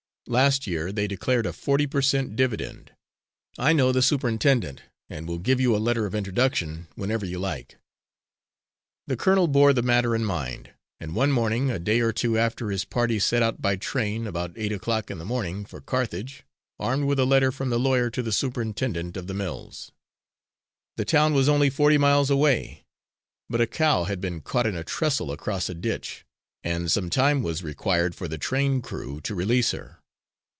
Last year they declared a forty per cent. dividend. I know the superintendent, and will give you a letter of introduction, whenever you like." The colonel bore the matter in mind, and one morning, a day or two after his party, set out by train, about eight o'clock in the morning, for Carthage, armed with a letter from the lawyer to the superintendent of the mills. The town was only forty miles away; but a cow had been caught in a trestle across a ditch, and some time was required for the train crew to release her.